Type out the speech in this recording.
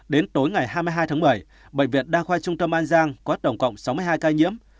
đến tối ngày hai mươi hai tháng bảy bệnh viện đa khoa trung tâm an giang có tổng cộng sáu mươi hai ca nhiễm